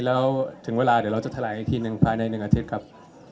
ก็จะถลายอาทิตย์หนึ่งภายใน๑อาทิตย์ครับ